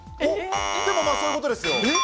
でも、まぁそういうことですよ。